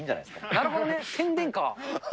なるほどね、宣伝カー。